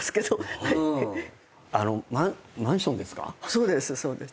そうですそうです。